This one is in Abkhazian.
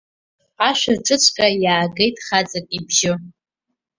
Ашәаҿыҵәҟьа иаагеит хаҵак ибжьы.